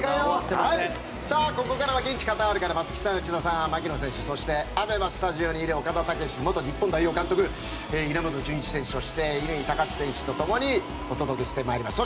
ここからは現地カタールから松木さん、内田さん、牧野選手そしてＡＢＥＭＡスタジオにいる岡田武史元日本代表監督稲本潤一選手そして、乾貴士選手とともにお届けします。